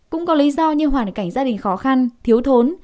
cũng có lý do như hoàn cảnh gia đình khó khăn thiếu thốn